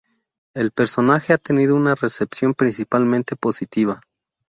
El personaje ha tenido una recepción principalmente positiva.